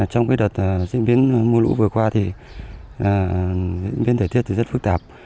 trong cái đợt diễn biến mưa lũ vừa qua thì diễn biến thời tiết rất phức tạp